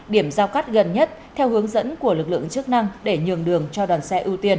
điểm giao cắt gần nhất theo hướng dẫn của lực lượng chức năng để nhường đường cho đoàn xe ưu tiên